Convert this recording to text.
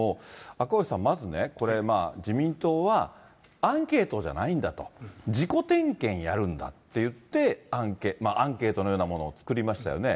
赤星さん、まずね、これ、自民党はアンケートじゃないんだと、自己点検やるんだっていって、アンケートのようなものを作りましたよね。